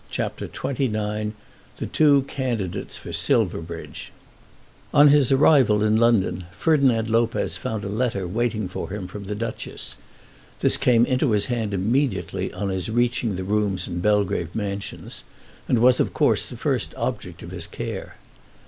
CHAPTER XXIX The Two Candidates for Silverbridge On his arrival in London Ferdinand Lopez found a letter waiting for him from the Duchess. This came into his hand immediately on his reaching the rooms in Belgrave Mansions, and was of course the first object of his care.